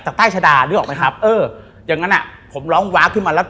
ใต้ชะดานึกออกไหมครับเอออย่างงั้นอ่ะผมร้องวาคขึ้นมาแล้ว